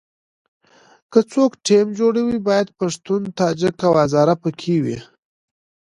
که څوک ټیم جوړوي باید پښتون، تاجک او هزاره په کې وي.